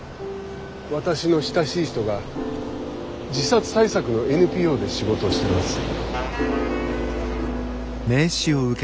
私の親しい人が自殺対策のＮＰＯで仕事をしてます。